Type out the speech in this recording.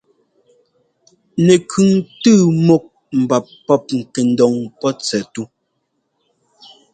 Nɛkʉŋ tʉ́ múk mbap pɔ́p ŋkɛndoŋ pɔ́ tsɛt tú.